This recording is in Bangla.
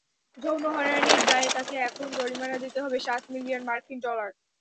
যৌন হয়রানির দায়ে তাঁকে এখন জরিমানা দিতে হবে সাত মিলিয়ন মার্কিন ডলার।